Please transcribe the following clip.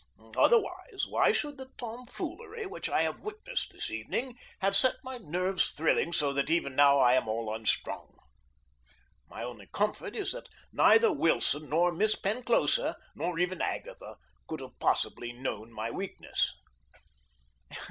Otherwise, why should the tomfoolery which I have witnessed this evening have set my nerves thrilling so that even now I am all unstrung? My only comfort is that neither Wilson nor Miss Penclosa nor even Agatha could have possibly known my weakness.